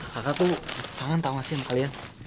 kakak tuh tangan tau gak sih sama kalian